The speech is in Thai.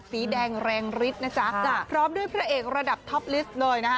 สีแดงแรงฤทธิ์นะจ๊ะพร้อมด้วยพระเอกระดับท็อปลิสต์เลยนะฮะ